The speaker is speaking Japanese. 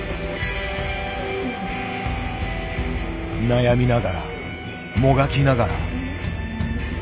悩みながらもがきながら。